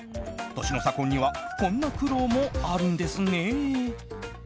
年の差婚にはこんな苦労もあるんですね。